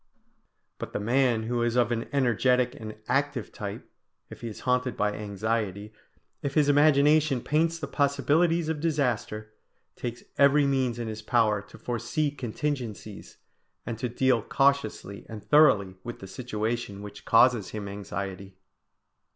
But the man who is of an energetic and active type, if he is haunted by anxiety, if his imagination paints the possibilities of disaster, takes every means in his power to foresee contingencies, and to deal cautiously and thoroughly with the situation which causes him anxiety.